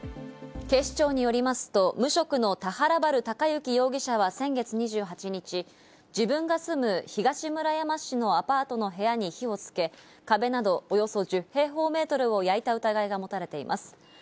警視庁によりますと無職の田原春貴之容疑者は先月２８日、自分が住む東村山市の久米川町のアパートの部屋に火をつけ、壁など、およそ１０平方メートルを焼いた疑いがもたれています。